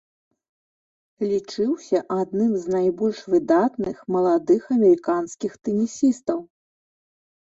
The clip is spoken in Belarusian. Лічыўся адным з найбольш выдатных маладых амерыканскіх тэнісістаў.